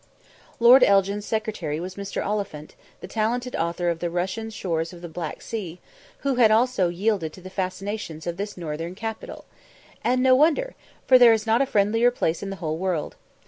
Lord Elgin's secretary was Mr. Oliphant, the talented author of the 'Russian Shores of the Black Sea,' who had also yielded to the fascinations of this northern capital. And no wonder! for there is not a friendlier place in the whole world.